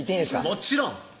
もちろん！